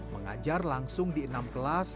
mengajar langsung di enam kelas